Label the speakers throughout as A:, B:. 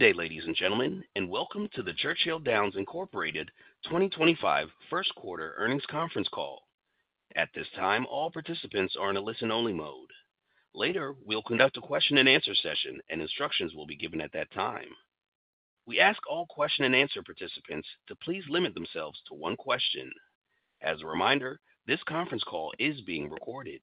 A: Good day, ladies and gentlemen, and welcome to the Churchill Downs Incorporated 2025 First Quarter Earnings Conference Call. At this time, all participants are in a listen-only mode. Later, we'll conduct a question-and-answer session, and instructions will be given at that time. We ask all question-and-answer participants to please limit themselves to one question. As a reminder, this conference call is being recorded.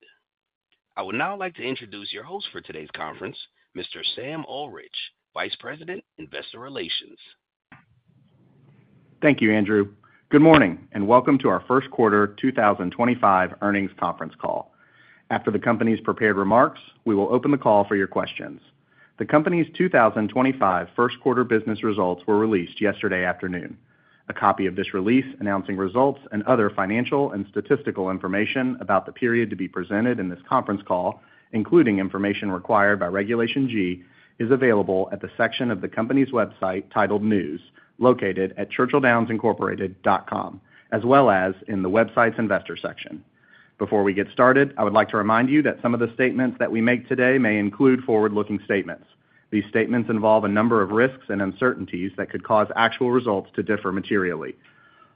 A: I would now like to introduce your host for today's conference, Mr. Sam Ullrich, Vice President, Investor Relations.
B: Thank you, Andrew. Good morning and welcome to our First Quarter 2025 Earnings Conference Call. After the company's prepared remarks, we will open the call for your questions. The company's 2025 first quarter business results were released yesterday afternoon. A copy of this release announcing results and other financial and statistical information about the period to be presented in this conference call, including information required by Regulation G, is available at the section of the company's website titled News, located at ChurchillDownsIncorporated.com, as well as in the website's investor section. Before we get started, I would like to remind you that some of the statements that we make today may include forward-looking statements. These statements involve a number of risks and uncertainties that could cause actual results to differ materially.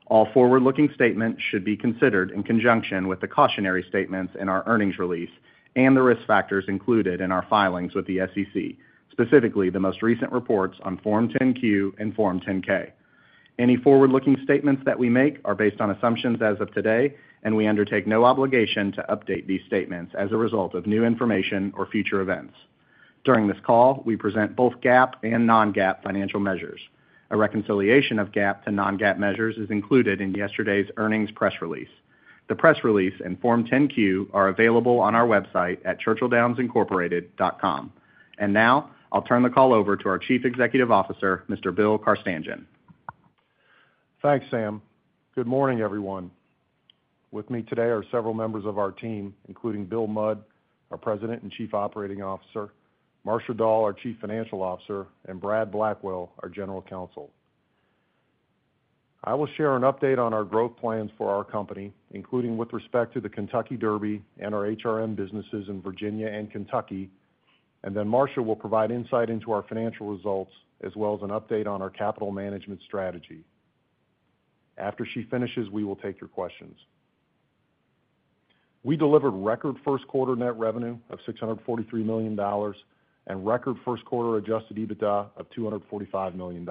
B: All forward-looking statements should be considered in conjunction with the cautionary statements in our earnings release and the risk factors included in our filings with the SEC, specifically the most recent reports on Form 10-Q and Form 10-K. Any forward-looking statements that we make are based on assumptions as of today, and we undertake no obligation to update these statements as a result of new information or future events. During this call, we present both GAAP and non-GAAP financial measures. A reconciliation of GAAP to non-GAAP measures is included in yesterday's earnings press release. The press release and Form 10-Q are available on our website at ChurchillDownsIncorporated.com. I will now turn the call over to our Chief Executive Officer, Mr. Bill Carstanjen.
C: Thanks, Sam. Good morning, everyone. With me today are several members of our team, including Bill Mudd, our President and Chief Operating Officer, Marcia Dall, our Chief Financial Officer, and Brad Blackwell, our General Counsel. I will share an update on our growth plans for our company, including with respect to the Kentucky Derby and our HRM businesses in Virginia and Kentucky, and then Marcia will provide insight into our financial results, as well as an update on our capital management strategy. After she finishes, we will take your questions. We delivered record first quarter net revenue of $643 million and record first quarter adjusted EBITDA of $245 million.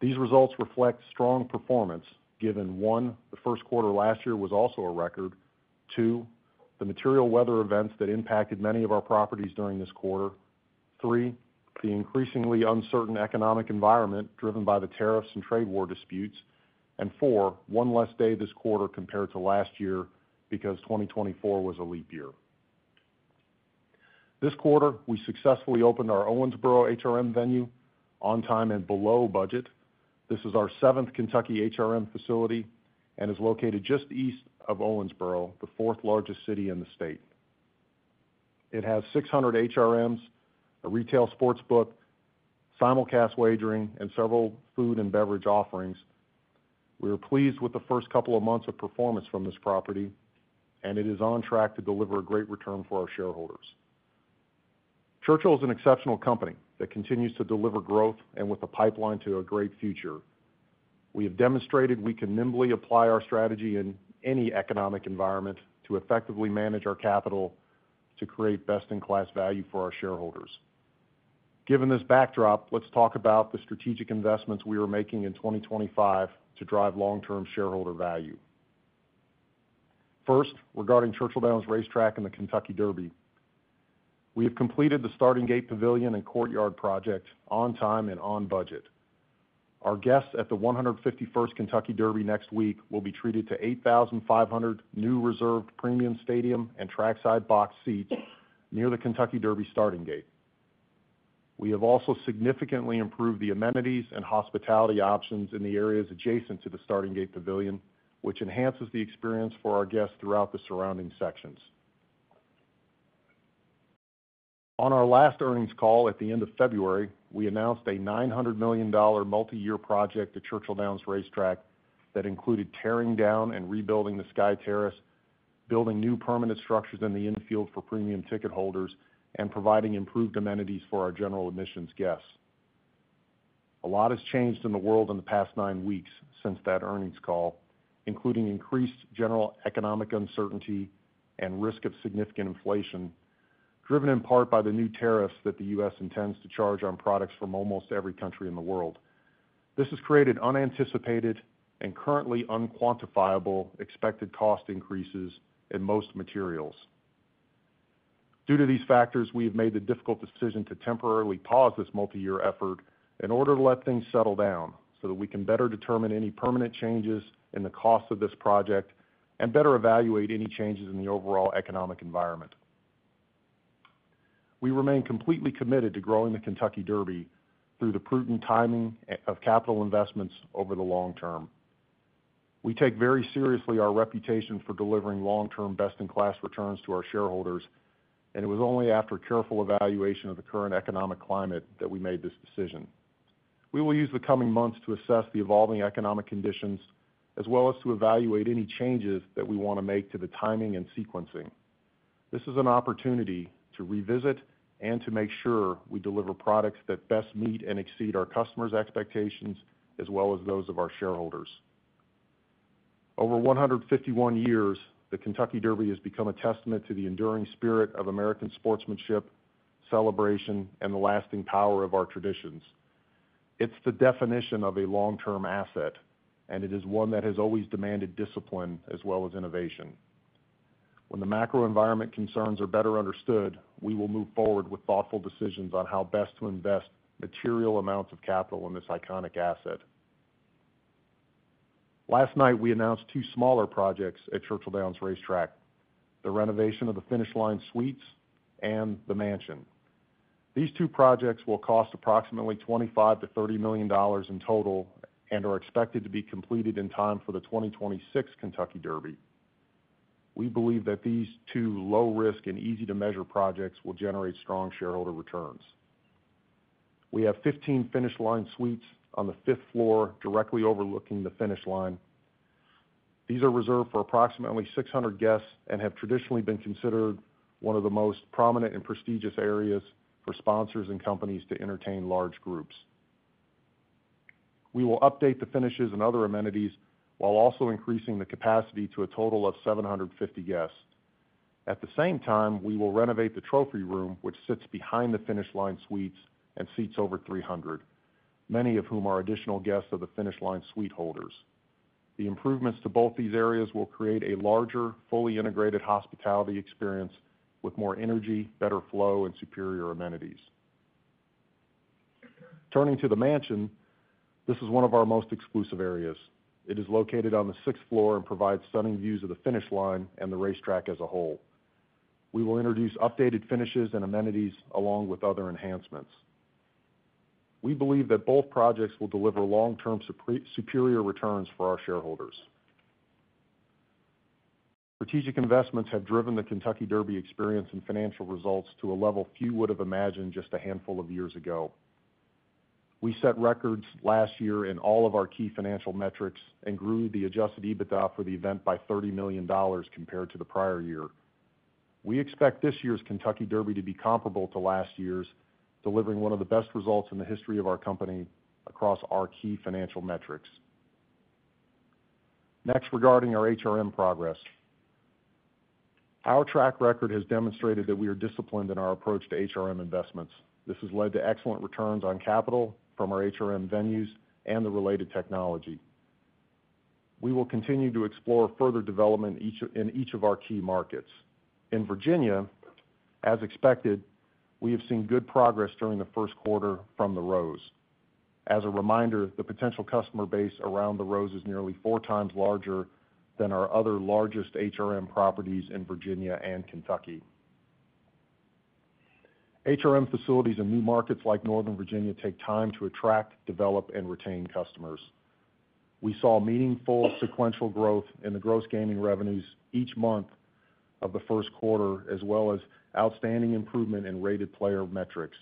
C: These results reflect strong performance given, one, the first quarter last year was also a record; two, the material weather events that impacted many of our properties during this quarter; three, the increasingly uncertain economic environment driven by the tariffs and trade war disputes; and four, one less day this quarter compared to last year because 2024 was a leap year. This quarter, we successfully opened our Owensboro HRM venue on time and below budget. This is our seventh Kentucky HRM facility and is located just east of Owensboro, the fourth largest city in the state. It has 600 HRMs, a retail sports book, simulcast wagering, and several food and beverage offerings. We are pleased with the first couple of months of performance from this property, and it is on track to deliver a great return for our shareholders. Churchill is an exceptional company that continues to deliver growth and with a pipeline to a great future. We have demonstrated we can nimbly apply our strategy in any economic environment to effectively manage our capital to create best-in-class value for our shareholders. Given this backdrop, let's talk about the strategic investments we are making in 2025 to drive long-term shareholder value. First, regarding Churchill Downs Racetrack and the Kentucky Derby, we have completed the Starting Gate Pavilion and Courtyard project on time and on budget. Our guests at the 151st Kentucky Derby next week will be treated to 8,500 new reserved premium stadium and trackside box seats near the Kentucky Derby starting gate. We have also significantly improved the amenities and hospitality options in the areas adjacent to the Starting Gate Pavilion, which enhances the experience for our guests throughout the surrounding sections. On our last earnings call at the end of February, we announced a $900 million multi-year project at Churchill Downs Racetrack that included tearing down and rebuilding the Skye Terrace, building new permanent structures in the infield for premium ticket holders, and providing improved amenities for our general admissions guests. A lot has changed in the world in the past nine weeks since that earnings call, including increased general economic uncertainty and risk of significant inflation, driven in part by the new tariffs that the U.S. intends to charge on products from almost every country in the world. This has created unanticipated and currently unquantifiable expected cost increases in most materials. Due to these factors, we have made the difficult decision to temporarily pause this multi-year effort in order to let things settle down so that we can better determine any permanent changes in the cost of this project and better evaluate any changes in the overall economic environment. We remain completely committed to growing the Kentucky Derby through the prudent timing of capital investments over the long term. We take very seriously our reputation for delivering long-term best-in-class returns to our shareholders, and it was only after careful evaluation of the current economic climate that we made this decision. We will use the coming months to assess the evolving economic conditions as well as to evaluate any changes that we want to make to the timing and sequencing. This is an opportunity to revisit and to make sure we deliver products that best meet and exceed our customers' expectations as well as those of our shareholders. Over 151 years, the Kentucky Derby has become a testament to the enduring spirit of American sportsmanship, celebration, and the lasting power of our traditions. It's the definition of a long-term asset, and it is one that has always demanded discipline as well as innovation. When the macro environment concerns are better understood, we will move forward with thoughtful decisions on how best to invest material amounts of capital in this iconic asset. Last night, we announced two smaller projects at Churchill Downs Racetrack: the renovation of the Finish Line Suites and the Mansion. These two projects will cost approximately $25-$30 million in total and are expected to be completed in time for the 2026 Kentucky Derby. We believe that these two low-risk and easy-to-measure projects will generate strong shareholder returns. We have 15 Finish Line Suites on the fifth floor directly overlooking the finish line. These are reserved for approximately 600 guests and have traditionally been considered one of the most prominent and prestigious areas for sponsors and companies to entertain large groups. We will update the finishes and other amenities while also increasing the capacity to a total of 750 guests. At the same time, we will renovate the trophy room, which sits behind the Finish Line Suites and seats over 300, many of whom are additional guests of the Finish Line Suite holders. The improvements to both these areas will create a larger, fully integrated hospitality experience with more energy, better flow, and superior amenities. Turning to the Mansion, this is one of our most exclusive areas. It is located on the sixth floor and provides stunning views of the finish line and the racetrack as a whole. We will introduce updated finishes and amenities along with other enhancements. We believe that both projects will deliver long-term superior returns for our shareholders. Strategic investments have driven the Kentucky Derby experience and financial results to a level few would have imagined just a handful of years ago. We set records last year in all of our key financial metrics and grew the adjusted EBITDA for the event by $30 million compared to the prior year. We expect this year's Kentucky Derby to be comparable to last year's, delivering one of the best results in the history of our company across our key financial metrics. Next, regarding our HRM progress, our track record has demonstrated that we are disciplined in our approach to HRM investments. This has led to excellent returns on capital from our HRM venues and the related technology. We will continue to explore further development in each of our key markets. In Virginia, as expected, we have seen good progress during the first quarter from the Rose. As a reminder, the potential customer base around the Rose is nearly four times larger than our other largest HRM properties in Virginia and Kentucky. HRM facilities and new markets like Northern Virginia take time to attract, develop, and retain customers. We saw meaningful sequential growth in the gross gaming revenues each month of the first quarter, as well as outstanding improvement in rated player metrics.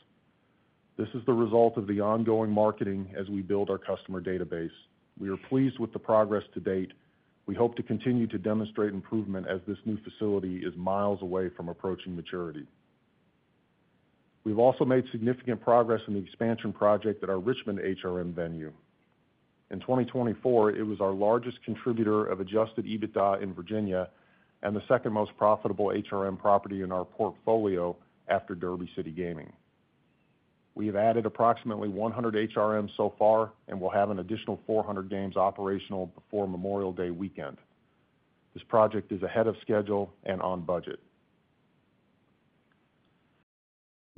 C: This is the result of the ongoing marketing as we build our customer database. We are pleased with the progress to date. We hope to continue to demonstrate improvement as this new facility is miles away from approaching maturity. We've also made significant progress in the expansion project at our Richmond HRM venue. In 2024, it was our largest contributor of adjusted EBITDA in Virginia and the second most profitable HRM property in our portfolio after Derby City Gaming. We have added approximately 100 HRMs so far and will have an additional 400 games operational before Memorial Day weekend. This project is ahead of schedule and on budget.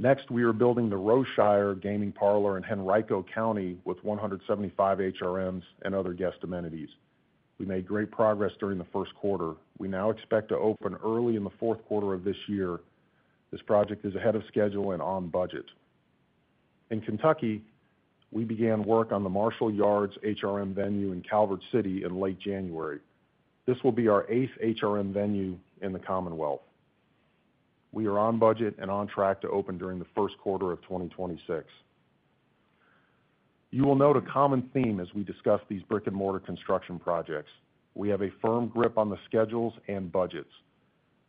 C: Next, we are building the Roseshire Gaming Parlor in Henrico County with 175 HRMs and other guest amenities. We made great progress during the first quarter. We now expect to open early in the fourth quarter of this year. This project is ahead of schedule and on budget. In Kentucky, we began work on the Marshall Yards HRM venue in Calvert City in late January. This will be our eighth HRM venue in the Commonwealth. We are on budget and on track to open during the first quarter of 2026. You will note a common theme as we discuss these brick-and-mortar construction projects. We have a firm grip on the schedules and budgets.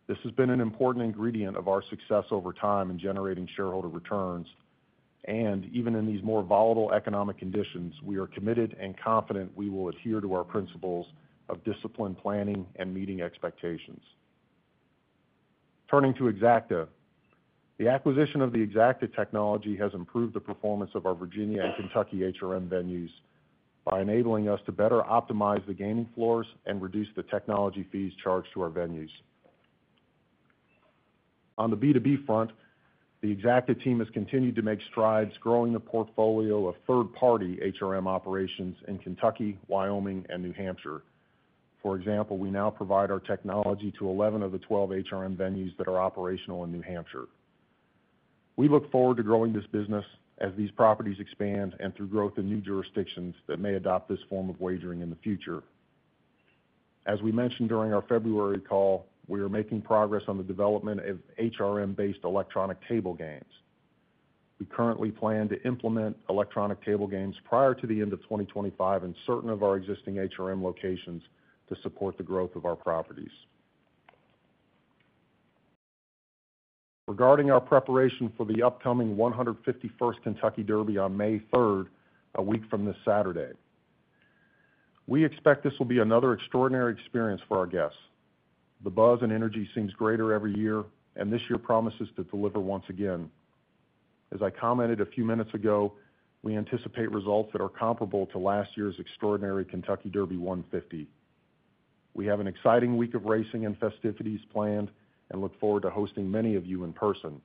C: This has been an important ingredient of our success over time in generating shareholder returns. Even in these more volatile economic conditions, we are committed and confident we will adhere to our principles of disciplined planning and meeting expectations. Turning to Exacta, the acquisition of the Exacta technology has improved the performance of our Virginia and Kentucky HRM venues by enabling us to better optimize the gaming floors and reduce the technology fees charged to our venues. On the B2B front, the Exacta team has continued to make strides, growing the portfolio of third-party HRM operations in Kentucky, Wyoming, and New Hampshire. For example, we now provide our technology to 11 of the 12 HRM venues that are operational in New Hampshire. We look forward to growing this business as these properties expand and through growth in new jurisdictions that may adopt this form of wagering in the future. As we mentioned during our February call, we are making progress on the development of HRM-based electronic table games. We currently plan to implement electronic table games prior to the end of 2025 in certain of our existing HRM locations to support the growth of our properties. Regarding our preparation for the upcoming 151st Kentucky Derby on May 3rd, a week from this Saturday, we expect this will be another extraordinary experience for our guests. The buzz and energy seems greater every year, and this year promises to deliver once again. As I commented a few minutes ago, we anticipate results that are comparable to last year's extraordinary Kentucky Derby 150. We have an exciting week of racing and festivities planned and look forward to hosting many of you in person.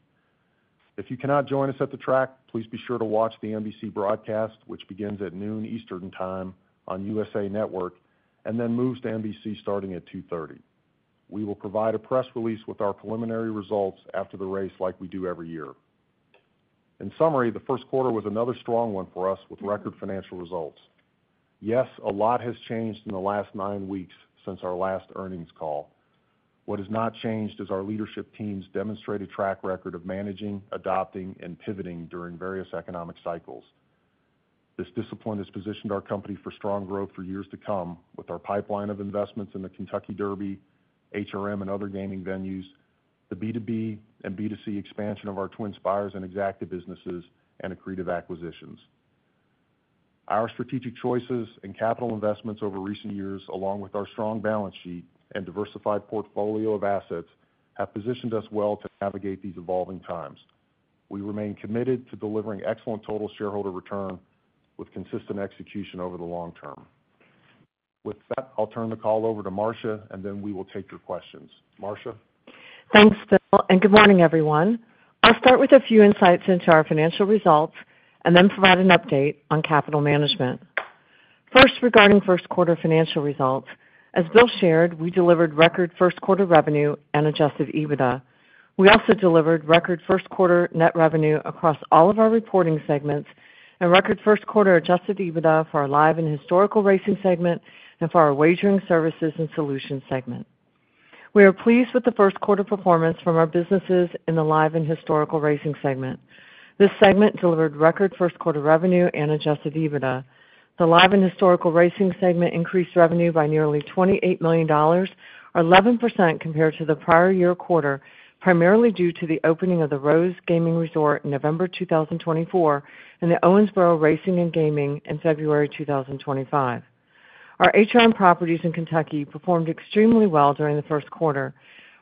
C: If you cannot join us at the track, please be sure to watch the NBC broadcast, which begins at noon Eastern Time on USA Network and then moves to NBC starting at 2:30. We will provide a press release with our preliminary results after the race like we do every year. In summary, the first quarter was another strong one for us with record financial results. Yes, a lot has changed in the last nine weeks since our last earnings call. What has not changed is our leadership team's demonstrated track record of managing, adopting, and pivoting during various economic cycles. This discipline has positioned our company for strong growth for years to come with our pipeline of investments in the Kentucky Derby, HRM, and other gaming venues, the B2B and B2C expansion of our TwinSpires and Exacta businesses, and accretive acquisitions. Our strategic choices and capital investments over recent years, along with our strong balance sheet and diversified portfolio of assets, have positioned us well to navigate these evolving times. We remain committed to delivering excellent total shareholder return with consistent execution over the long term. With that, I'll turn the call over to Marcia, and then we will take your questions. Marcia.
D: Thanks, Bill, and good morning, everyone. I'll start with a few insights into our financial results and then provide an update on capital management. First, regarding first quarter financial results, as Bill shared, we delivered record first quarter revenue and adjusted EBITDA. We also delivered record first quarter net revenue across all of our reporting segments and record first quarter adjusted EBITDA for our live and historical racing segment and for our wagering services and solutions segment. We are pleased with the first quarter performance from our businesses in the live and historical racing segment. This segment delivered record first quarter revenue and adjusted EBITDA. The live and historical racing segment increased revenue by nearly $28 million, or 11% compared to the prior year quarter, primarily due to the opening of the Rose Gaming Resort in November 2024 and the Owensboro Racing and Gaming in February 2025. Our HRM properties in Kentucky performed extremely well during the first quarter.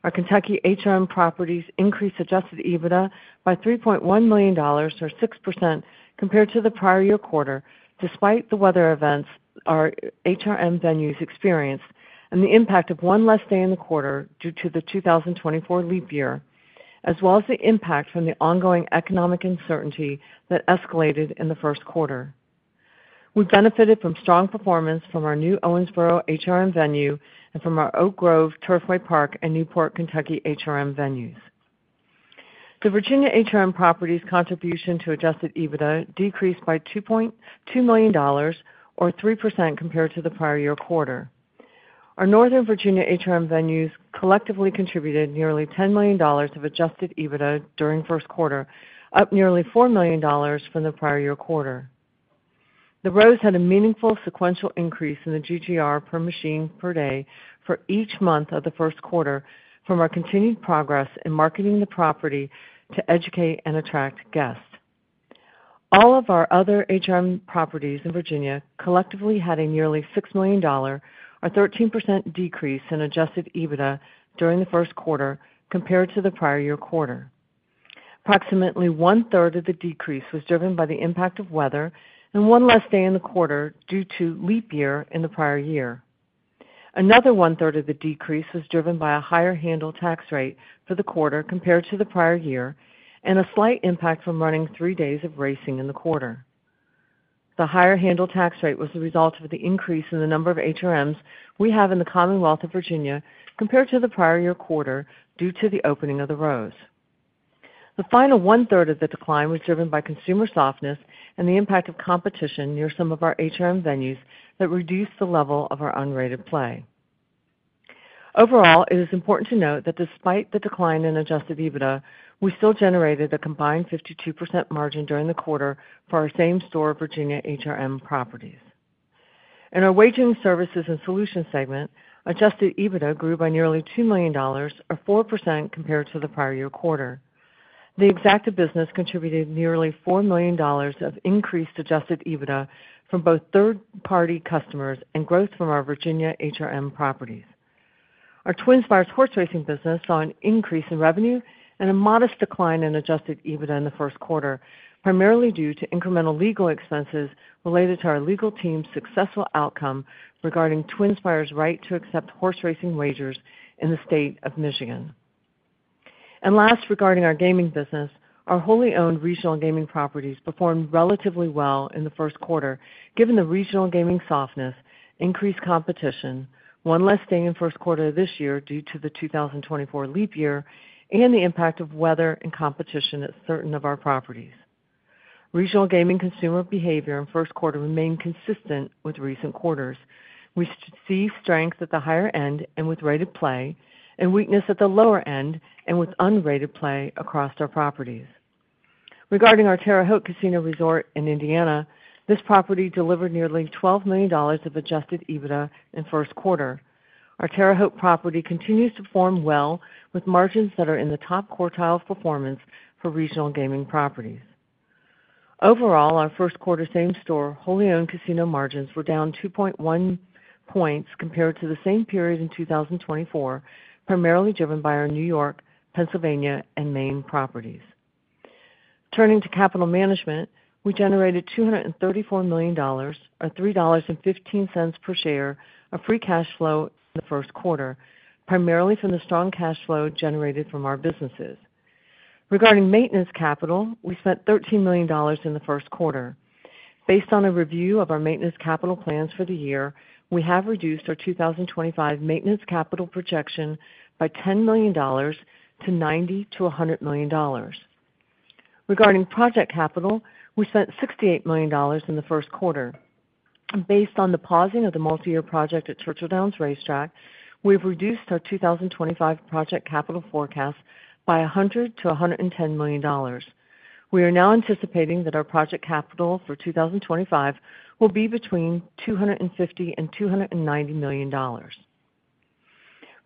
D: Our Kentucky HRM properties increased adjusted EBITDA by $3.1 million, or 6%, compared to the prior year quarter, despite the weather events our HRM venues experienced and the impact of one less day in the quarter due to the 2024 leap year, as well as the impact from the ongoing economic uncertainty that escalated in the first quarter. We benefited from strong performance from our new Owensboro HRM venue and from our Oak Grove, Turfway Park, and Newport, Kentucky HRM venues. The Virginia HRM properties' contribution to adjusted EBITDA decreased by $2.2 million, or 3%, compared to the prior year quarter. Our Northern Virginia HRM venues collectively contributed nearly $10 million of adjusted EBITDA during first quarter, up nearly $4 million from the prior year quarter. The Rose had a meaningful sequential increase in the GGR per machine per day for each month of the first quarter from our continued progress in marketing the property to educate and attract guests. All of our other HRM properties in Virginia collectively had a nearly $6 million, or 13%, decrease in adjusted EBITDA during the first quarter compared to the prior year quarter. Approximately one-third of the decrease was driven by the impact of weather and one less day in the quarter due to leap year in the prior year. Another one-third of the decrease was driven by a higher handle tax rate for the quarter compared to the prior year and a slight impact from running three days of racing in the quarter. The higher handle tax rate was the result of the increase in the number of HRMs we have in the Commonwealth of Virginia compared to the prior year quarter due to the opening of the Rose. The final one-third of the decline was driven by consumer softness and the impact of competition near some of our HRM venues that reduced the level of our unrated play. Overall, it is important to note that despite the decline in adjusted EBITDA, we still generated a combined 52% margin during the quarter for our same store of Virginia HRM properties. In our wagering services and solutions segment, adjusted EBITDA grew by nearly $2 million, or 4%, compared to the prior year quarter. The Exacta business contributed nearly $4 million of increased adjusted EBITDA from both third-party customers and growth from our Virginia HRM properties. Our TwinSpires horse racing business saw an increase in revenue and a modest decline in adjusted EBITDA in the first quarter, primarily due to incremental legal expenses related to our legal team's successful outcome regarding TwinSpires' right to accept horse racing wagers in the state of Michigan. Last, regarding our gaming business, our wholly owned regional gaming properties performed relatively well in the first quarter, given the regional gaming softness, increased competition, one less day in first quarter this year due to the 2024 leap year, and the impact of weather and competition at certain of our properties. Regional gaming consumer behavior in first quarter remained consistent with recent quarters. We see strength at the higher end and with rated play, and weakness at the lower end and with unrated play across our properties. Regarding our Terre Haute Casino Resort in Indiana, this property delivered nearly $12 million of Adjusted EBITDA in first quarter. Our Terre Haute property continues to perform well with margins that are in the top quartile of performance for regional gaming properties. Overall, our first quarter same store wholly owned casino margins were down 2.1 percentage points compared to the same period in 2024, primarily driven by our New York, Pennsylvania, and Maine properties. Turning to capital management, we generated $234 million, or $3.15 per share of Free Cash Flow in the first quarter, primarily from the strong cash flow generated from our businesses. Regarding maintenance capital, we spent $13 million in the first quarter. Based on a review of our maintenance capital plans for the year, we have reduced our 2025 maintenance capital projection by $10 million to $90-$100 million. Regarding project capital, we spent $68 million in the first quarter. Based on the pausing of the multi-year project at Churchill Downs Racetrack, we've reduced our 2025 project capital forecast by $100-$110 million. We are now anticipating that our project capital for 2025 will be between $250-$290 million.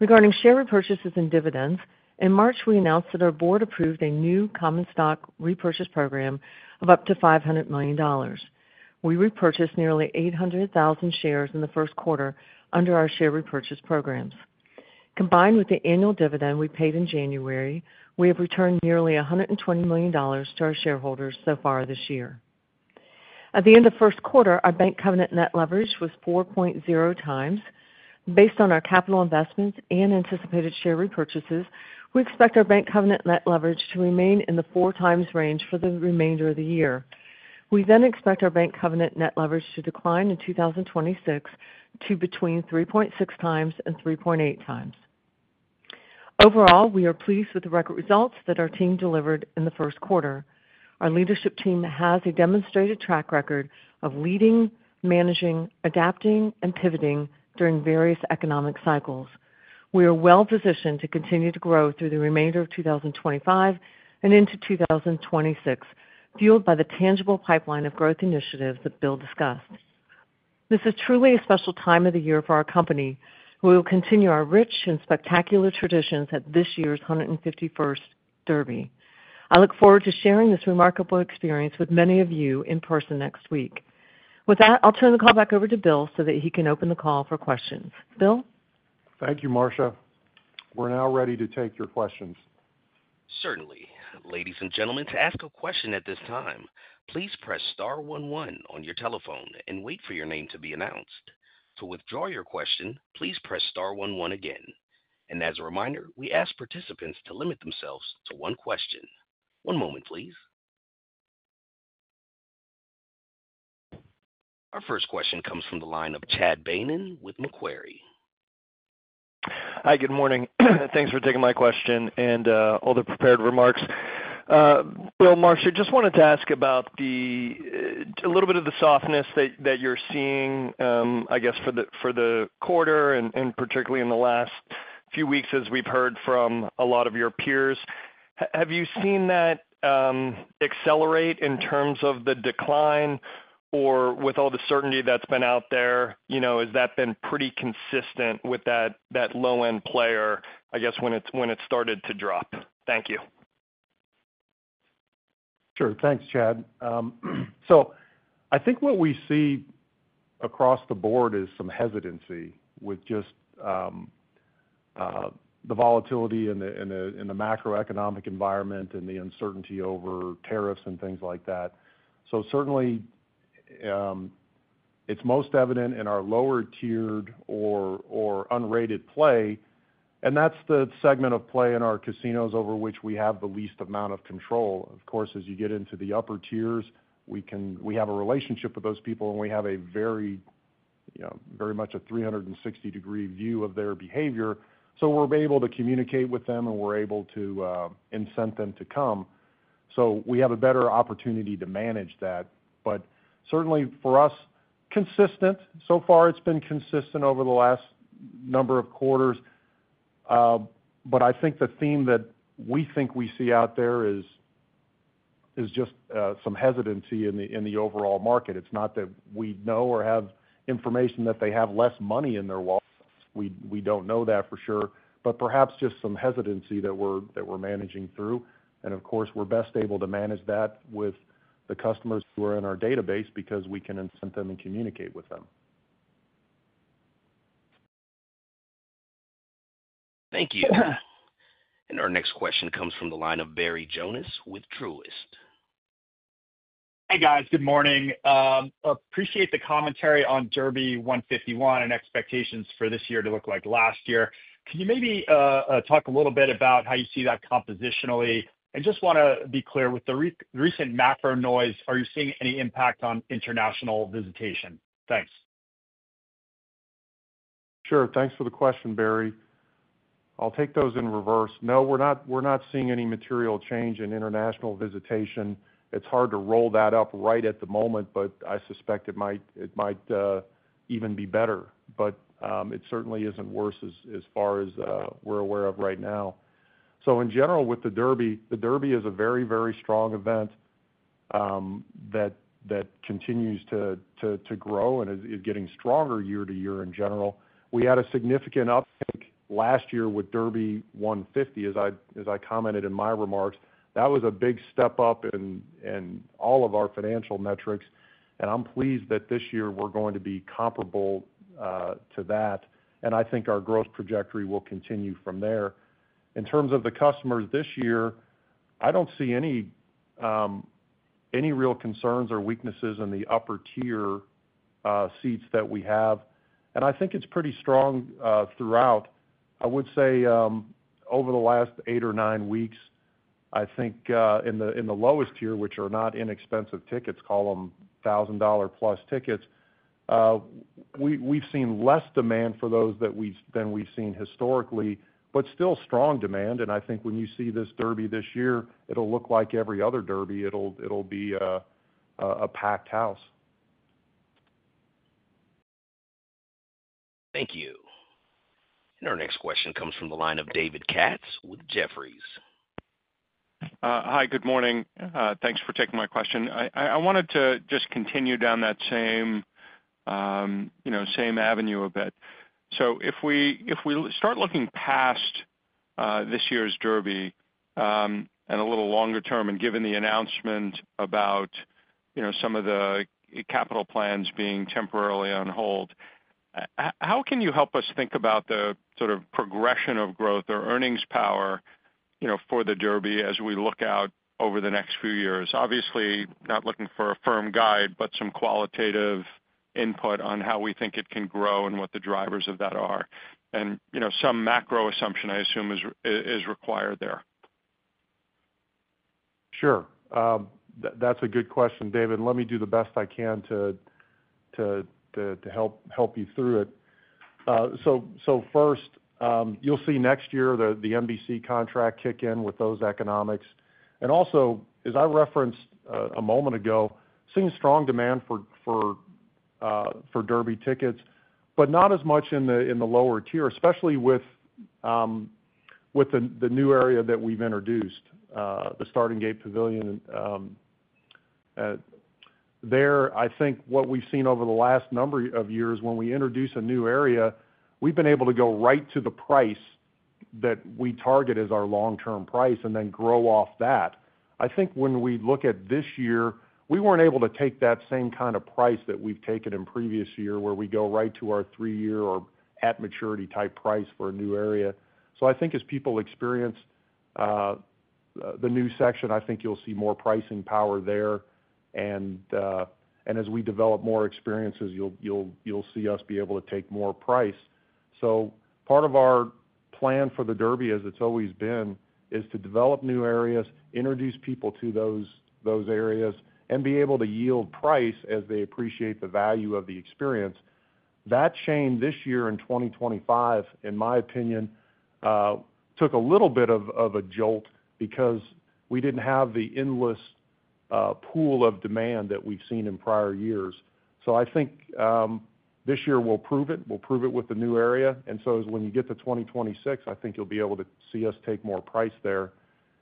D: Regarding share repurchases and dividends, in March, we announced that our board approved a new common stock repurchase program of up to $500 million. We repurchased nearly 800,000 shares in the first quarter under our share repurchase programs. Combined with the annual dividend we paid in January, we have returned nearly $120 million to our shareholders so far this year. At the end of first quarter, our bank covenant net leverage was 4.0 times. Based on our capital investments and anticipated share repurchases, we expect our bank covenant net leverage to remain in the 4x range for the remainder of the year. We then expect our bank covenant net leverage to decline in 2026 to between 3.6x and 3.8x. Overall, we are pleased with the record results that our team delivered in the first quarter. Our leadership team has a demonstrated track record of leading, managing, adapting, and pivoting during various economic cycles. We are well positioned to continue to grow through the remainder of 2025 and into 2026, fueled by the tangible pipeline of growth initiatives that Bill discussed. This is truly a special time of the year for our company, who will continue our rich and spectacular traditions at this year's 151st Derby. I look forward to sharing this remarkable experience with many of you in person next week. With that, I'll turn the call back over to Bill so that he can open the call for questions. Bill?
C: Thank you, Marcia. We're now ready to take your questions.
A: Certainly. Ladies and gentlemen, to ask a question at this time, please press star one one on your telephone and wait for your name to be announced. To withdraw your question, please press star one one again. As a reminder, we ask participants to limit themselves to one question. One moment, please. Our first question comes from the line of Chad Beynon with Macquarie.
E: Hi, good morning. Thanks for taking my question and all the prepared remarks. Bill, Marcia, just wanted to ask about a little bit of the softness that you're seeing, I guess, for the quarter and particularly in the last few weeks, as we've heard from a lot of your peers. Have you seen that accelerate in terms of the decline or with all the certainty that's been out there? Has that been pretty consistent with that low-end player, I guess, when it started to drop? Thank you.
C: Sure. Thanks, Chad. I think what we see across the board is some hesitancy with just the volatility in the macroeconomic environment and the uncertainty over tariffs and things like that. Certainly, it's most evident in our lower-tiered or unrated play, and that's the segment of play in our casinos over which we have the least amount of control. Of course, as you get into the upper tiers, we have a relationship with those people, and we have very much a 360-degree view of their behavior. We're able to communicate with them, and we're able to incent them to come. We have a better opportunity to manage that. Certainly, for us, consistent. So far, it's been consistent over the last number of quarters. I think the theme that we think we see out there is just some hesitancy in the overall market. It's not that we know or have information that they have less money in their wallets. We don't know that for sure, but perhaps just some hesitancy that we're managing through. Of course, we're best able to manage that with the customers who are in our database because we can incent them and communicate with them.
A: Thank you. Our next question comes from the line of Barry Jonas with Truist.
F: Hey, guys. Good morning. Appreciate the commentary on Derby 151 and expectations for this year to look like last year. Can you maybe talk a little bit about how you see that compositionally? Just want to be clear, with the recent macro noise, are you seeing any impact on international visitation? Thanks.
C: Sure. Thanks for the question, Barry. I'll take those in reverse. No, we're not seeing any material change in international visitation. It's hard to roll that up right at the moment, but I suspect it might even be better. It certainly isn't worse as far as we're aware of right now. In general, with the Derby, the Derby is a very, very strong event that continues to grow and is getting stronger year to year in general. We had a significant uptick last year with Derby 150, as I commented in my remarks. That was a big step up in all of our financial metrics. I'm pleased that this year we're going to be comparable to that. I think our growth trajectory will continue from there. In terms of the customers this year, I don't see any real concerns or weaknesses in the upper-tier seats that we have. I think it's pretty strong throughout. I would say over the last eight or nine weeks, I think in the lowest tier, which are not inexpensive tickets, call them $1,000-plus tickets, we've seen less demand for those than we've seen historically, but still strong demand. I think when you see this Derby this year, it'll look like every other Derby. It'll be a packed house.
A: Thank you. Our next question comes from the line of David Katz with Jefferies.
G: Hi, good morning. Thanks for taking my question. I wanted to just continue down that same avenue a bit. If we start looking past this year's Derby and a little longer term, and given the announcement about some of the capital plans being temporarily on hold, how can you help us think about the sort of progression of growth or earnings power for the Derby as we look out over the next few years? Obviously, not looking for a firm guide, but some qualitative input on how we think it can grow and what the drivers of that are. Some macro assumption, I assume, is required there.
C: Sure. That's a good question, David. Let me do the best I can to help you through it. First, you'll see next year the NBC contract kick in with those economics. As I referenced a moment ago, seeing strong demand for Derby tickets, but not as much in the lower tier, especially with the new area that we've introduced, the Starting Gate Pavilion. There, I think what we've seen over the last number of years, when we introduce a new area, we've been able to go right to the price that we target as our long-term price and then grow off that. I think when we look at this year, we weren't able to take that same kind of price that we've taken in previous years where we go right to our three-year or at-maturity type price for a new area. I think as people experience the new section, I think you'll see more pricing power there. As we develop more experiences, you'll see us be able to take more price. Part of our plan for the Derby, as it's always been, is to develop new areas, introduce people to those areas, and be able to yield price as they appreciate the value of the experience. That chain this year in 2025, in my opinion, took a little bit of a jolt because we didn't have the endless pool of demand that we've seen in prior years. I think this year we'll prove it. We'll prove it with the new area. When you get to 2026, I think you'll be able to see us take more price there.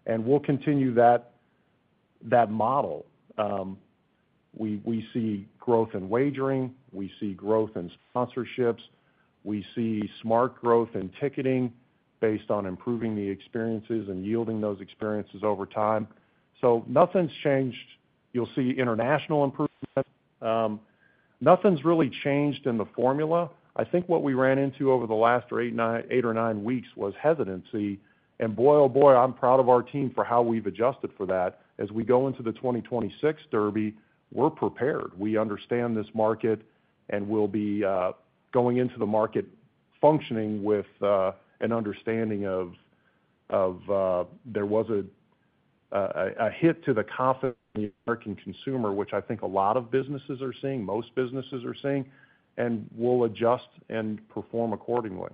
C: We'll continue that model. We see growth in wagering. We see growth in sponsorships. We see smart growth in ticketing based on improving the experiences and yielding those experiences over time. Nothing's changed. You'll see international improvement. Nothing's really changed in the formula. I think what we ran into over the last eight or nine weeks was hesitancy. And boy, oh boy, I'm proud of our team for how we've adjusted for that. As we go into the 2026 Derby, we're prepared. We understand this market and will be going into the market functioning with an understanding of there was a hit to the confidence in the American consumer, which I think a lot of businesses are seeing, most businesses are seeing, and we'll adjust and perform accordingly.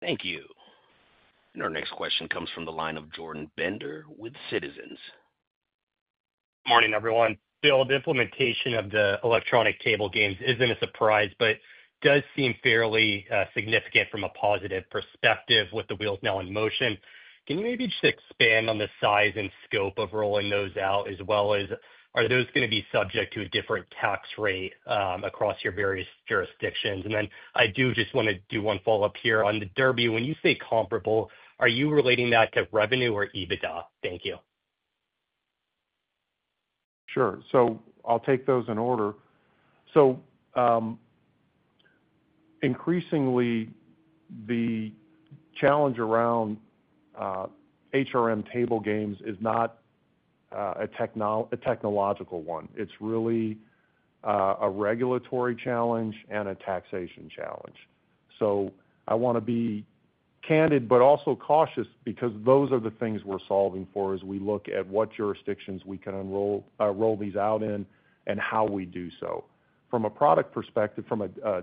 A: Thank you. Our next question comes from the line of Jordan Bender with Citizens.
H: Good morning, everyone. Bill, the implementation of the electronic table games isn't a surprise, but does seem fairly significant from a positive perspective with the wheels now in motion. Can you maybe just expand on the size and scope of rolling those out, as well as are those going to be subject to a different tax rate across your various jurisdictions? I do just want to do one follow-up here. On the Derby, when you say comparable, are you relating that to revenue or EBITDA? Thank you.
C: Sure. I'll take those in order. Increasingly, the challenge around HRM table games is not a technological one. It's really a regulatory challenge and a taxation challenge. I want to be candid, but also cautious, because those are the things we're solving for as we look at what jurisdictions we can roll these out in and how we do so. From a product perspective, from a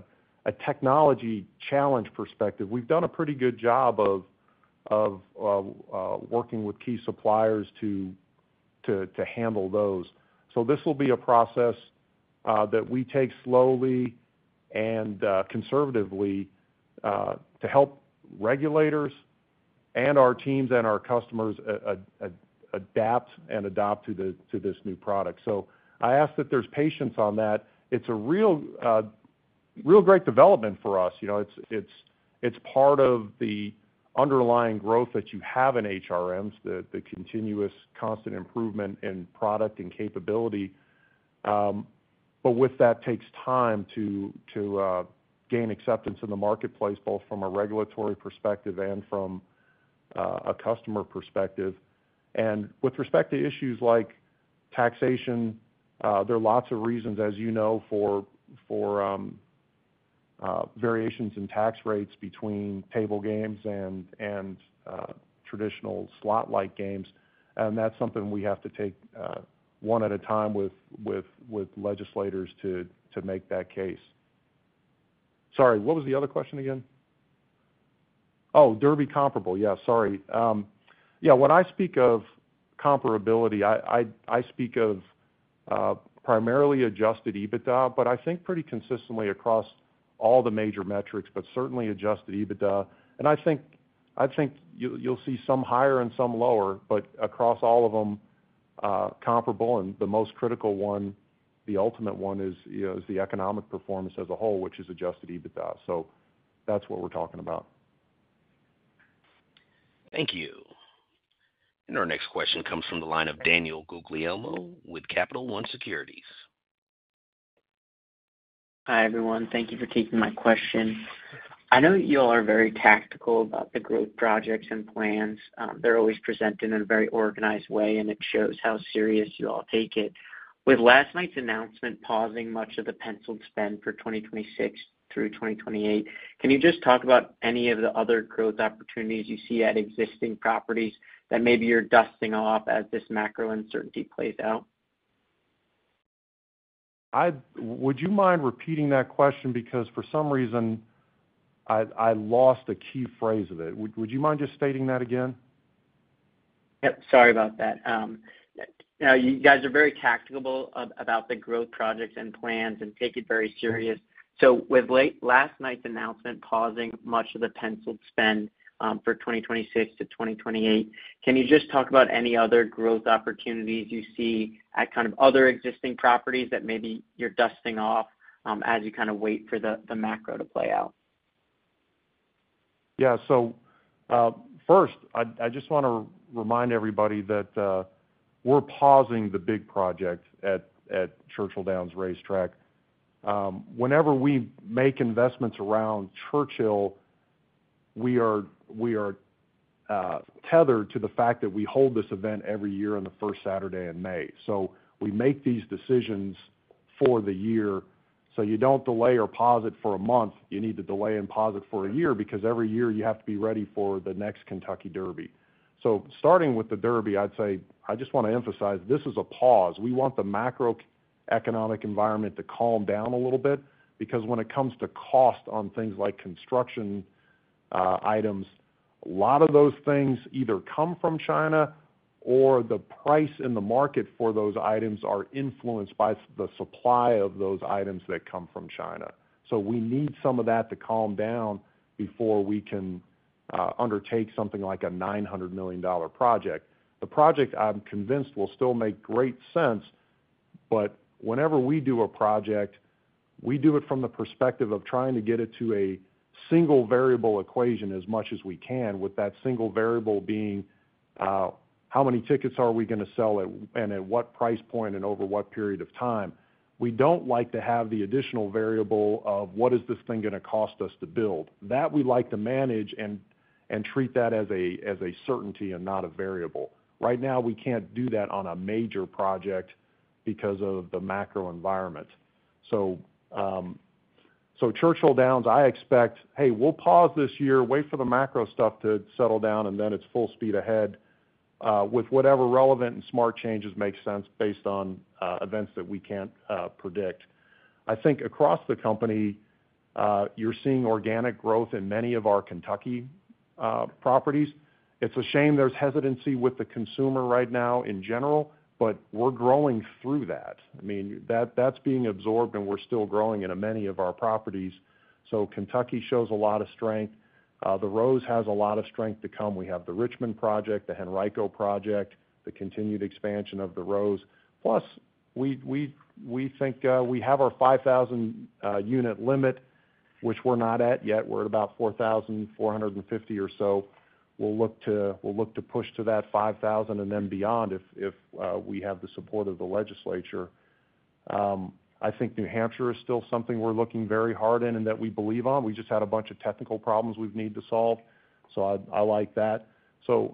C: technology challenge perspective, we've done a pretty good job of working with key suppliers to handle those. This will be a process that we take slowly and conservatively to help regulators and our teams and our customers adapt and adopt to this new product. I ask that there's patience on that. It's a real great development for us. It's part of the underlying growth that you have in HRMs, the continuous constant improvement in product and capability. With that, it takes time to gain acceptance in the marketplace, both from a regulatory perspective and from a customer perspective. With respect to issues like taxation, there are lots of reasons, as you know, for variations in tax rates between table games and traditional slot-like games. That's something we have to take one at a time with legislators to make that case. Sorry, what was the other question again? Oh, Derby comparable. Yeah, sorry. Yeah, when I speak of comparability, I speak of primarily adjusted EBITDA, but I think pretty consistently across all the major metrics, but certainly adjusted EBITDA. I think you'll see some higher and some lower, but across all of them, comparable. The most critical one, the ultimate one, is the economic performance as a whole, which is adjusted EBITDA. That's what we're talking about.
A: Thank you. Our next question comes from the line of Daniel Guglielmo with Capital One Securities.
I: Hi, everyone. Thank you for taking my question. I know that you all are very tactical about the growth projects and plans. They're always presented in a very organized way, and it shows how serious you all take it. With last night's announcement pausing much of the penciled spend for 2026 through 2028, can you just talk about any of the other growth opportunities you see at existing properties that maybe you're dusting off as this macro uncertainty plays out?
C: Would you mind repeating that question? Because for some reason, I lost a key phrase of it. Would you mind just stating that again?
I: Yep. Sorry about that. Now, you guys are very tactical about the growth projects and plans and take it very serious. With last night's announcement pausing much of the penciled spend for 2026 to 2028, can you just talk about any other growth opportunities you see at kind of other existing properties that maybe you're dusting off as you kind of wait for the macro to play out?
C: Yeah. First, I just want to remind everybody that we're pausing the big project at Churchill Downs Racetrack. Whenever we make investments around Churchill, we are tethered to the fact that we hold this event every year on the first Saturday in May. We make these decisions for the year. You do not delay or pause it for a month. You need to delay and pause it for a year because every year you have to be ready for the next Kentucky Derby. Starting with the Derby, I just want to emphasize this is a pause. We want the macroeconomic environment to calm down a little bit because when it comes to cost on things like construction items, a lot of those things either come from China or the price in the market for those items are influenced by the supply of those items that come from China. We need some of that to calm down before we can undertake something like a $900 million project. The project, I'm convinced, will still make great sense. Whenever we do a project, we do it from the perspective of trying to get it to a single variable equation as much as we can, with that single variable being how many tickets are we going to sell and at what price point and over what period of time. We do not like to have the additional variable of what is this thing going to cost us to build. That we like to manage and treat that as a certainty and not a variable. Right now, we can't do that on a major project because of the macro environment. Churchill Downs, I expect, hey, we'll pause this year, wait for the macro stuff to settle down, and then it's full speed ahead with whatever relevant and smart changes make sense based on events that we can't predict. I think across the company, you're seeing organic growth in many of our Kentucky properties. It's a shame there's hesitancy with the consumer right now in general, but we're growing through that. I mean, that's being absorbed and we're still growing in many of our properties. Kentucky shows a lot of strength. The Rose has a lot of strength to come. We have the Richmond project, the Henrico project, the continued expansion of the Rose. Plus, we think we have our 5,000-unit limit, which we're not at yet. We're at about 4,450 or so. We'll look to push to that 5,000 and then beyond if we have the support of the legislature. I think New Hampshire is still something we're looking very hard in and that we believe on. We just had a bunch of technical problems we've needed to solve. I like that.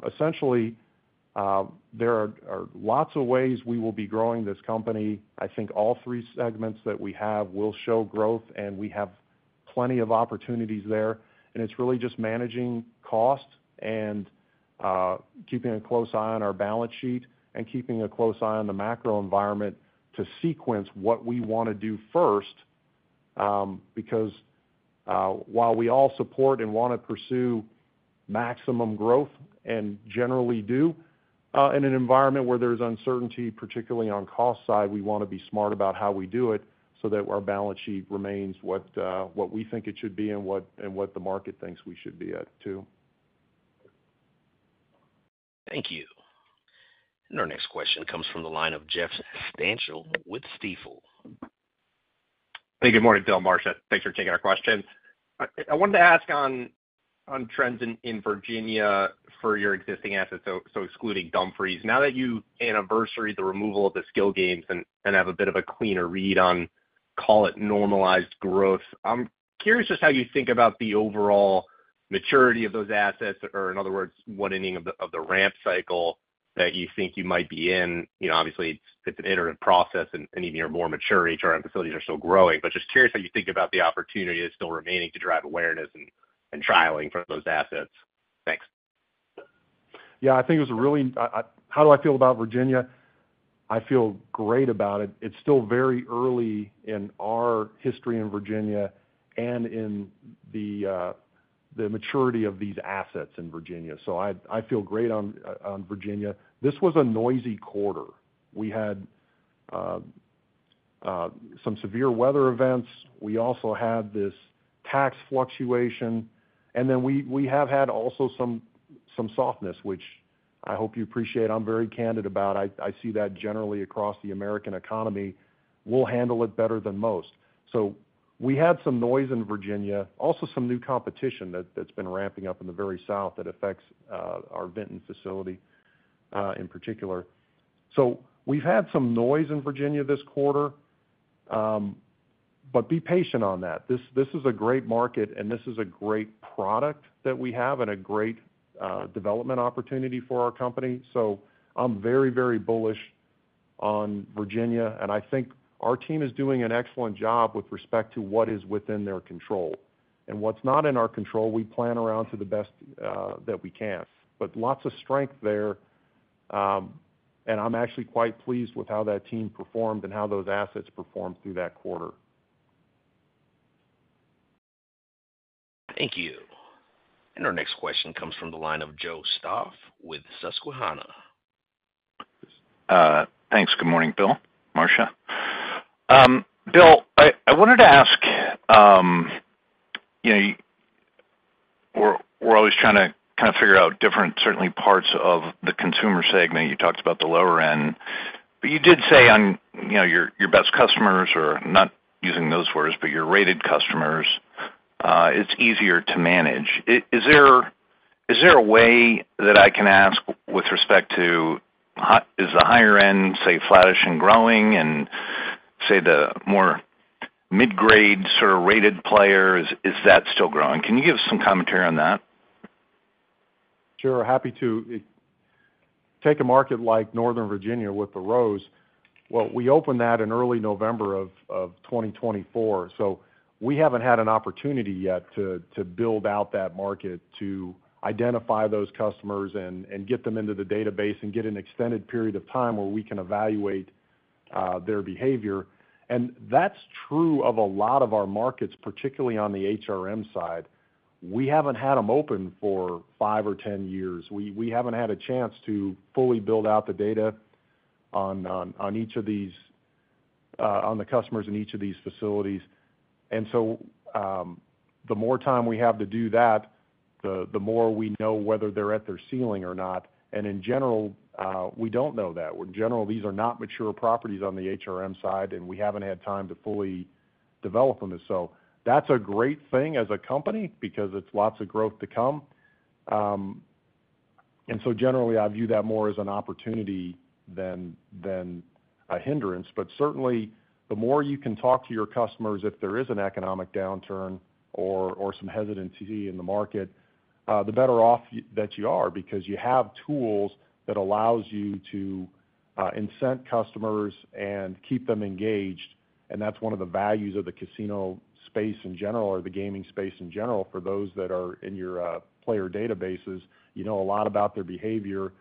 C: Essentially, there are lots of ways we will be growing this company. I think all three segments that we have will show growth, and we have plenty of opportunities there. It's really just managing cost and keeping a close eye on our balance sheet and keeping a close eye on the macro environment to sequence what we want to do first. Because while we all support and want to pursue maximum growth and generally do in an environment where there's uncertainty, particularly on the cost side, we want to be smart about how we do it so that our balance sheet remains what we think it should be and what the market thinks we should be at too.
A: Thank you. Our next question comes from the line of Jeff Stantial with Stifel.
J: Hey, good morning, Bill, Marcia. Thanks for taking our question. I wanted to ask on trends in Virginia for your existing assets, so excluding Dumfries. Now that you anniversary the removal of the skill games and have a bit of a cleaner read on, call it normalized growth, I'm curious just how you think about the overall maturity of those assets, or in other words, what ending of the ramp cycle that you think you might be in. Obviously, it's an iterative process, and even your more mature HRM facilities are still growing. Just curious how you think about the opportunity that's still remaining to drive awareness and trialing for those assets. Thanks.
C: Yeah, I think it was a really how do I feel about Virginia? I feel great about it. It's still very early in our history in Virginia and in the maturity of these assets in Virginia. I feel great on Virginia. This was a noisy quarter. We had some severe weather events. We also had this tax fluctuation. We have had also some softness, which I hope you appreciate. I'm very candid about it. I see that generally across the American economy. We'll handle it better than most. We had some noise in Virginia, also some new competition that's been ramping up in the very south that affects our Vinton facility in particular. We have had some noise in Virginia this quarter, but be patient on that. This is a great market, and this is a great product that we have and a great development opportunity for our company. I am very, very bullish on Virginia. I think our team is doing an excellent job with respect to what is within their control. What is not in our control, we plan around to the best that we can. There is lots of strength there. I am actually quite pleased with how that team performed and how those assets performed through that quarter.
A: Thank you. Our next question comes from the line of Joseph Robert Stauff with Susquehanna.
K: Thanks. Good morning, Bill, Marcia. Bill, I wanted to ask, we're always trying to kind of figure out different, certainly, parts of the consumer segment. You talked about the lower end. You did say on your best customers, or not using those words, but your rated customers, it's easier to manage. Is there a way that I can ask with respect to, is the higher end, say, flourishing and growing, and say, the more mid-grade sort of rated players, is that still growing? Can you give some commentary on that?
C: Sure. Happy to. Take a market like Northern Virginia with the Rose. We opened that in early November of 2024. We haven't had an opportunity yet to build out that market to identify those customers and get them into the database and get an extended period of time where we can evaluate their behavior. That is true of a lot of our markets, particularly on the HRM side. We have not had them open for five or ten years. We have not had a chance to fully build out the data on each of these, on the customers in each of these facilities. The more time we have to do that, the more we know whether they are at their ceiling or not. In general, we do not know that. In general, these are not mature properties on the HRM side, and we have not had time to fully develop them. That is a great thing as a company because it is lots of growth to come. Generally, I view that more as an opportunity than a hindrance. Certainly, the more you can talk to your customers, if there is an economic downturn or some hesitancy in the market, the better off that you are because you have tools that allow you to incent customers and keep them engaged. That's one of the values of the casino space in general, or the gaming space in general, for those that are in your player databases. You know a lot about their behavior,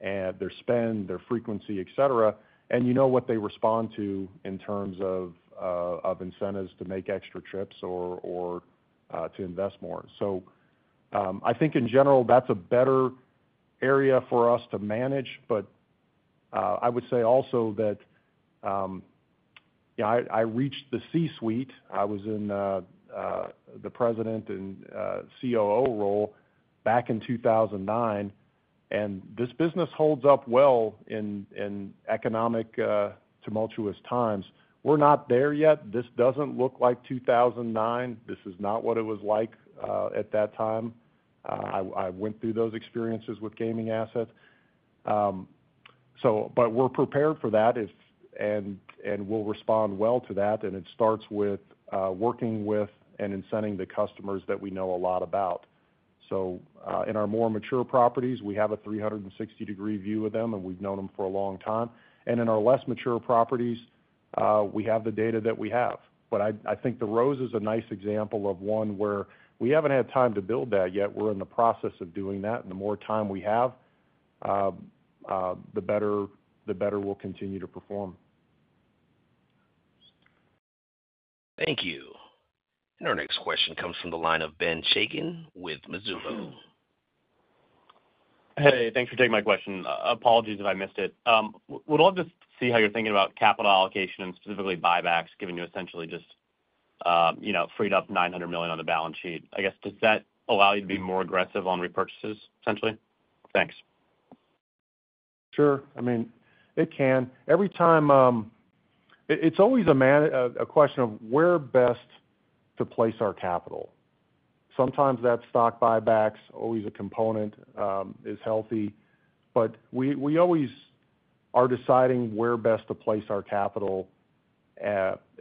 C: their spend, their frequency, etc., and you know what they respond to in terms of incentives to make extra trips or to invest more. I think in general, that's a better area for us to manage. I would say also that I reached the C-suite. I was in the President and COO role back in 2009. This business holds up well in economic tumultuous times. We're not there yet. This does not look like 2009. This is not what it was like at that time. I went through those experiences with gaming assets. We are prepared for that, and we will respond well to that. It starts with working with and incenting the customers that we know a lot about. In our more mature properties, we have a 360-degree view of them, and we have known them for a long time. In our less mature properties, we have the data that we have. I think the Rose is a nice example of one where we have not had time to build that yet. We are in the process of doing that. The more time we have, the better we will continue to perform.
A: Thank you. Our next question comes from the line of Ben Chaiken with Mizuho.
L: Hey, thanks for taking my question. Apologies if I missed it. Would love to see how you're thinking about capital allocation and specifically buybacks, given you essentially just freed up $900 million on the balance sheet. I guess, does that allow you to be more aggressive on repurchases, essentially? Thanks.
C: Sure. I mean, it can. It's always a question of where best to place our capital. Sometimes that stock buyback's always a component, is healthy. We always are deciding where best to place our capital,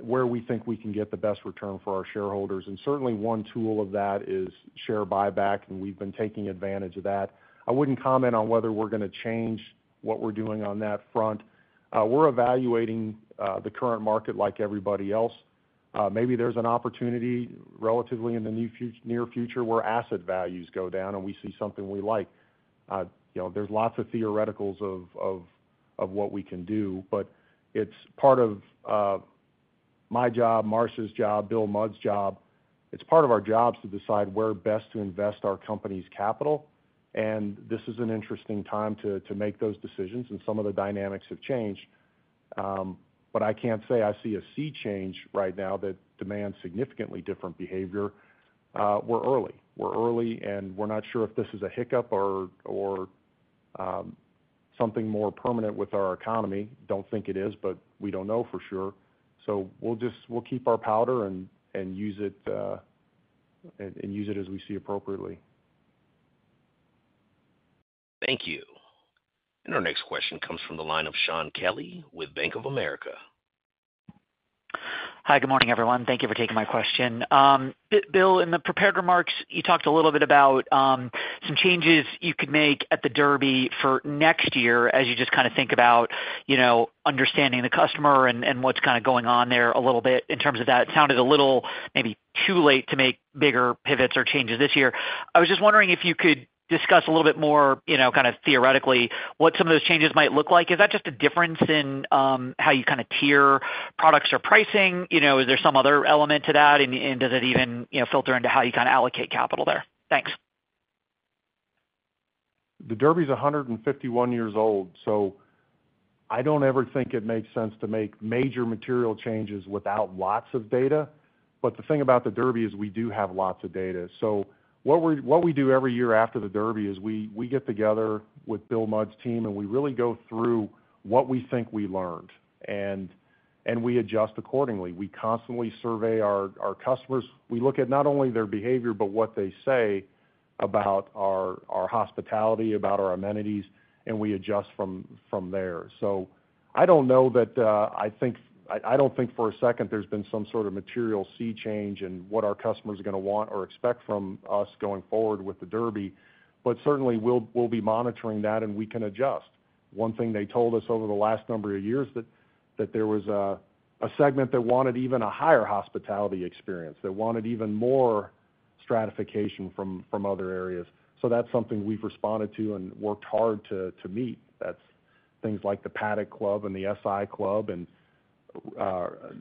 C: where we think we can get the best return for our shareholders. Certainly, one tool of that is share buyback, and we've been taking advantage of that. I wouldn't comment on whether we're going to change what we're doing on that front. We're evaluating the current market like everybody else. Maybe there's an opportunity relatively in the near future where asset values go down and we see something we like. There's lots of theoreticals of what we can do. But it's part of my job, Marcia's job, Bill Mudd's job. It's part of our jobs to decide where best to invest our company's capital. This is an interesting time to make those decisions, and some of the dynamics have changed. But I can't say I see a sea change right now that demands significantly different behavior. We're early. We're early, and we're not sure if this is a hiccup or something more permanent with our economy. Don't think it is, but we don't know for sure. We'll keep our powder and use it as we see appropriately.
A: Thank you. Our next question comes from the line of Shaun Kelley with Bank of America.
M: Hi, good morning, everyone. Thank you for taking my question. Bill, in the prepared remarks, you talked a little bit about some changes you could make at the Derby for next year as you just kind of think about understanding the customer and what's kind of going on there a little bit in terms of that. It sounded a little maybe too late to make bigger pivots or changes this year. I was just wondering if you could discuss a little bit more kind of theoretically what some of those changes might look like. Is that just a difference in how you kind of tier products or pricing? Is there some other element to that, and does it even filter into how you kind of allocate capital there? Thanks.
C: The Derby is 151 years old. I don't ever think it makes sense to make major material changes without lots of data. The thing about the Derby is we do have lots of data. What we do every year after the Derby is we get together with Bill Mudd's team, and we really go through what we think we learned, and we adjust accordingly. We constantly survey our customers. We look at not only their behavior, but what they say about our hospitality, about our amenities, and we adjust from there. I don't know that I think I don't think for a second there's been some sort of material sea change in what our customers are going to want or expect from us going forward with the Derby. Certainly, we'll be monitoring that, and we can adjust. One thing they told us over the last number of years is that there was a segment that wanted even a higher hospitality experience, that wanted even more stratification from other areas. That is something we have responded to and worked hard to meet. That is things like the Paddock Club and the SI Club.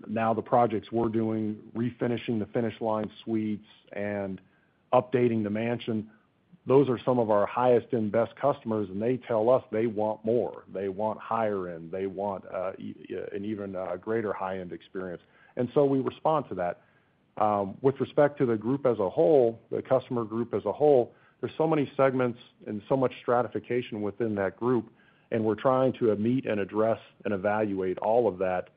C: Now the projects we are doing, refinishing the Finish Line Suites and updating the Mansion, those are some of our highest and best customers, and they tell us they want more. They want higher end. They want an even greater high-end experience. We respond to that. With respect to the group as a whole, the customer group as a whole, there are so many segments and so much stratification within that group, and we are trying to meet and address and evaluate all of that.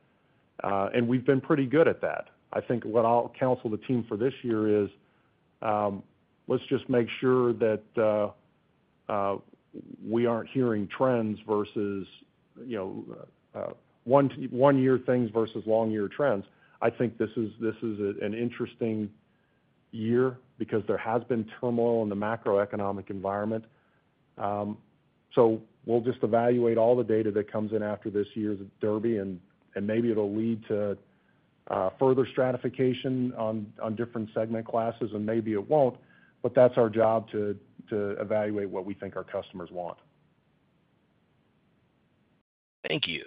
C: We have been pretty good at that. I think what I'll counsel the team for this year is let's just make sure that we aren't hearing trends versus one-year things versus long-year trends. I think this is an interesting year because there has been turmoil in the macroeconomic environment. We will just evaluate all the data that comes in after this year's Derby, and maybe it'll lead to further stratification on different segment classes, and maybe it won't. That is our job to evaluate what we think our customers want.
A: Thank you.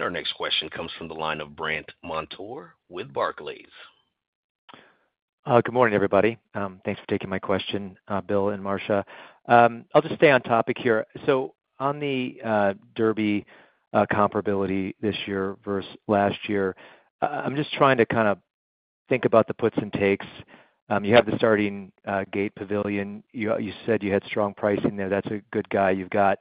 A: Our next question comes from the line of Brandt Montour with Barclays.
N: Good morning, everybody. Thanks for taking my question, Bill and Marcia. I'll just stay on topic here. On the Derby comparability this year versus last year, I'm just trying to kind of think about the puts and takes. You have the Starting Gate Pavilion. You said you had strong pricing there. That's a good guy. You've got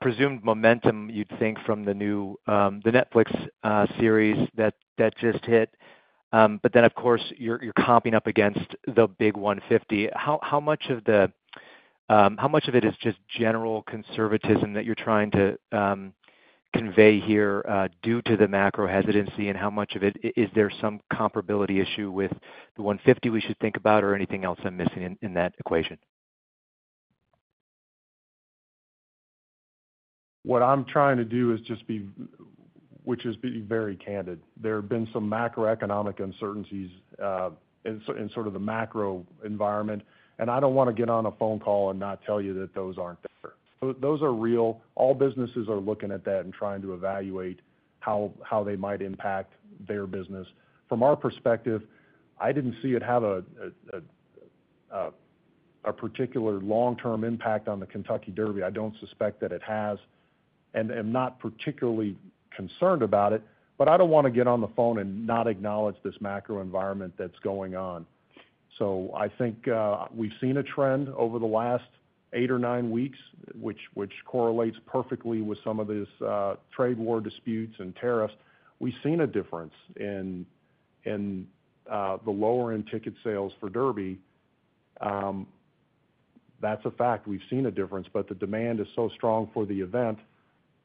N: presumed momentum, you'd think, from the Netflix series that just hit. Of course, you're comping up against the big 150. How much of it is just general conservatism that you're trying to convey here due to the macro hesitancy? How much of it is there some comparability issue with the 150 we should think about, or anything else I'm missing in that equation?
C: What I'm trying to do is just be, which is being very candid. There have been some macroeconomic uncertainties in sort of the macro environment. I don't want to get on a phone call and not tell you that those aren't there. Those are real. All businesses are looking at that and trying to evaluate how they might impact their business. From our perspective, I didn't see it have a particular long-term impact on the Kentucky Derby. I don't suspect that it has. I'm not particularly concerned about it, but I don't want to get on the phone and not acknowledge this macro environment that's going on. I think we've seen a trend over the last eight or nine weeks, which correlates perfectly with some of these trade war disputes and tariffs. We've seen a difference in the lower-end ticket sales for Derby. That's a fact. We've seen a difference, but the demand is so strong for the event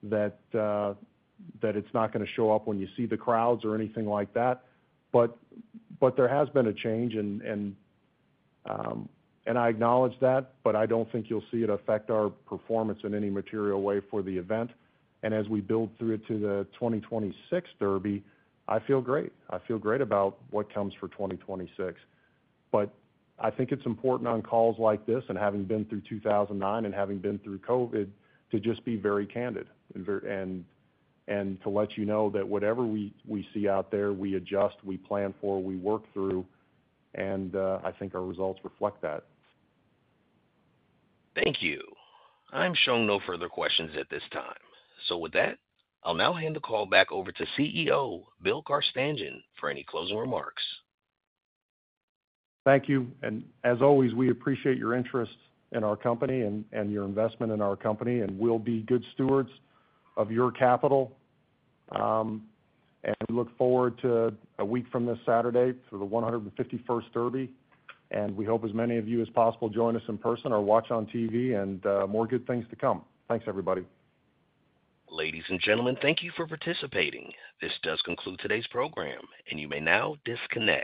C: that it's not going to show up when you see the crowds or anything like that. There has been a change, and I acknowledge that, but I don't think you'll see it affect our performance in any material way for the event. As we build through it to the 2026 Derby, I feel great. I feel great about what comes for 2026. I think it's important on calls like this and having been through 2009 and having been through COVID to just be very candid and to let you know that whatever we see out there, we adjust, we plan for, we work through, and I think our results reflect that.
A: Thank you. I'm showing no further questions at this time. With that, I'll now hand the call back over to CEO Bill Carstanjen for any closing remarks.
C: Thank you. As always, we appreciate your interest in our company and your investment in our company, and we'll be good stewards of your capital. We look forward to a week from this Saturday for the 151st Derby. We hope as many of you as possible join us in person or watch on TV, and more good things to come. Thanks, everybody.
A: Ladies and gentlemen, thank you for participating. This does conclude today's program, and you may now disconnect.